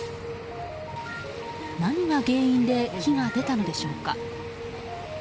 何が原因で火が出たのでしょうか。